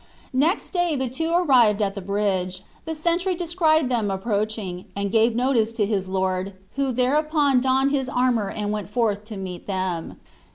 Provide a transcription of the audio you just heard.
Next day the two arrived at the bridge. The sentry descried them approaching, and gave notice to his lord, who thereupon donned his armor and went forth to meet them.